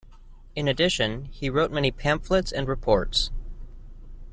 In addition, he wrote many pamphlets and reports.